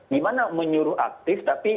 gimana menyuruh aktif tapi